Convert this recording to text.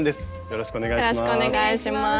よろしくお願いします。